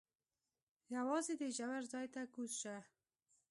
یوازې دې ژور ځای ته کوز شه.